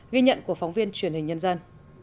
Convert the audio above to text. ghi nhận của phóng viên truyền hình nhân dân